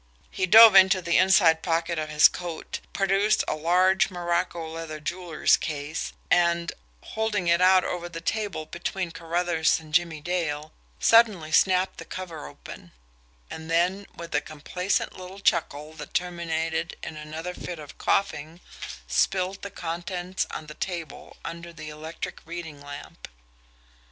He dove into the inside pocket of his coat, produced a large morocco leather jeweller's case, and, holding it out over the table between Carruthers and Jimmie Dale, suddenly snapped the cover open and then, with a complacent little chuckle that terminated in another fit of coughing, spilled the contents on the table under the electric reading lamp.